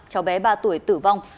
cháu bé ba tuổi tử vong